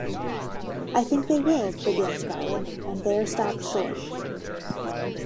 "I think they will," began Scarlett, and there stopped short.